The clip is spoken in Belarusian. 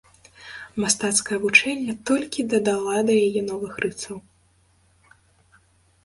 Мастацкая вучэльня толькі дадала да яе новых рысаў.